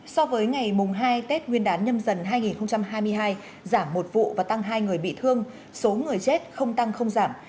so với ngày mùng hai tết nguyên đán nhâm dần hai nghìn hai mươi hai giảm một vụ và tăng hai người bị thương số người chết không tăng không giảm